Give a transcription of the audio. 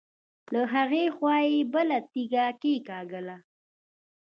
له هغې خوا يې بله تيږه کېکاږله.